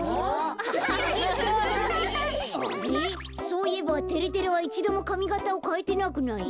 そういえばてれてれはいちどもかみがたをかえてなくない？